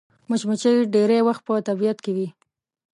مچمچۍ ډېری وخت په طبیعت کې وي